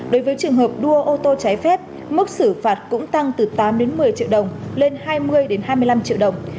đối với trường hợp đua ô tô trái phép mức xử phạt cũng tăng từ tám một mươi triệu đồng lên hai mươi hai mươi năm triệu đồng